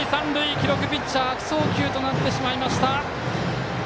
記録、ピッチャー悪送球となってしまいました。